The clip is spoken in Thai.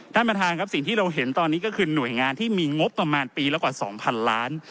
ท่านประธานครับสิ่งที่เราเห็นตอนนี้ก็คือหน่วยงานที่มีงบประมาณปีละกว่า๒๐๐๐ล้าน